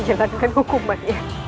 jangan lakukan hukumannya